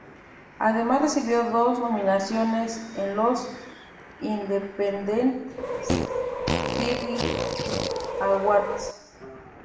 Además recibió dos nominaciones en los Independent Spirit Awards.